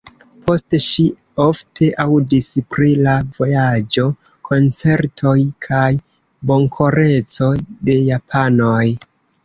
Poste ŝi ofte aŭdis pri la vojaĝo, koncertoj kaj bonkoreco de japanoj.